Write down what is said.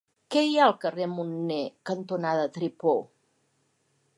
Què hi ha al carrer Munner cantonada Tripó?